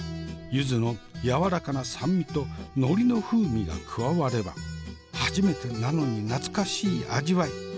ゆずのやわらかな酸味と海苔の風味が加われば初めてなのに懐かしい味わい。